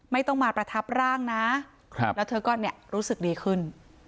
ไม่ต้องมาประทับร่างนะแล้วเธอก็เนี่ยรู้สึกดีขึ้น